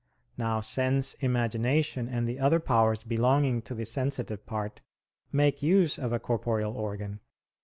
Now sense, imagination and the other powers belonging to the sensitive part, make use of a corporeal organ.